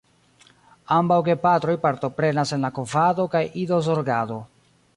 Ambaŭ gepatroj partoprenas en la kovado kaj idozorgado.